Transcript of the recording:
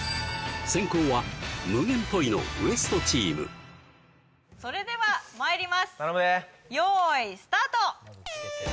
先攻は無限ポイのＷＥＳＴチームそれではまいります用意スタート！